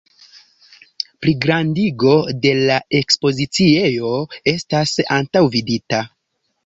Pligrandigo de de la ekspoziciejo estas antaŭvidita.